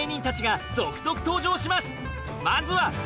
まずは。